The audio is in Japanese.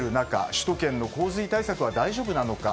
首都圏の洪水対策は大丈夫なのか。